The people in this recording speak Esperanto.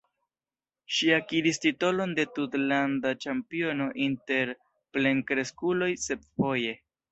Ŝi akiris titolon de tutlanda ĉampiono inter plenkreskuloj sep foje.